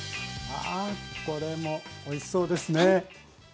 これもおいしそうですね。